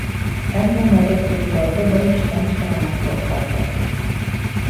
Әммә нәҙек билдәрзе был эштән Сураман ҡотҡарҙы.